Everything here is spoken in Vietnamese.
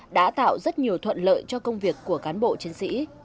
đã tạo rất nhiều thuận lợi cho công việc của cán bộ chiến sĩ